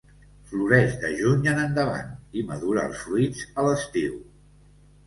Floreix de juny en endavant i madura els fruits a l'estiu.